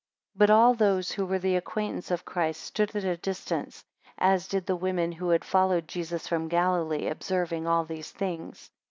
11 But all those who were the acquaintance of Christ, stood at a distance, as did the women who had followed Jesus from Galilee, observing all these things.